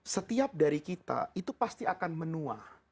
setiap dari kita itu pasti akan menua